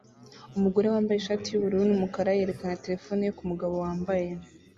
Umugore wambaye ishati yubururu n'umukara yerekana terefone ye kumugabo wambaye